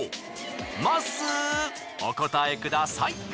まっすーお答えください。